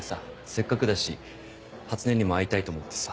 せっかくだし初音にも会いたいと思ってさ。